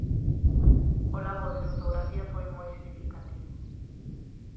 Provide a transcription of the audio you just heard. O labor de fotografía foi moi significativo.